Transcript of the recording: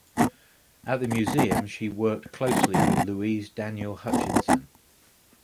At the museum she worked closely with Louise Daniel Hutchinson.